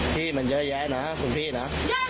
ที่มันเยอะแย๊ะนะครับส่วนพี่นะ